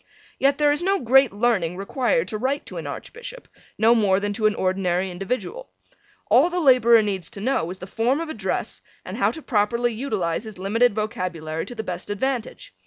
Yet there is no great learning required to write to an Archbishop, no more than to an ordinary individual. All the laborer needs to know is the form of address and how to properly utilize his limited vocabulary to the best advantage.